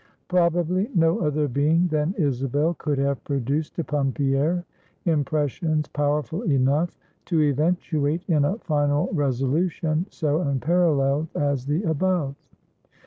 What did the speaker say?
Probably no other being than Isabel could have produced upon Pierre impressions powerful enough to eventuate in a final resolution so unparalleled as the above.